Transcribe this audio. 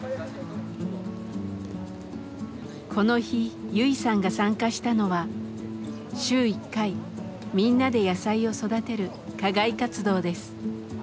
この日ユイさんが参加したのは週一回みんなで野菜を育てる課外活動です。